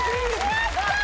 やった！